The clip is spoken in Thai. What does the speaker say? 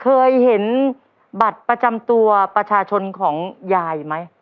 เคยเห็นบัตรประจำตัวประชาชนของยายไหม